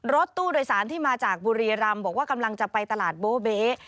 รถตู้โดยสารที่มาจากบุรีรำบอกว่ากำลังจะไปตลาดโบเบ๊